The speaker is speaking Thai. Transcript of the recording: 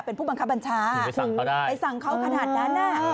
เป็นผู้บังคับบัญชาไปสั่งเขาขนาดนั้น